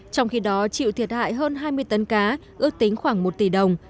trong khi đó chịu thiệt hại hơn hai mươi tấn cá ước tính khoảng một tỷ đồng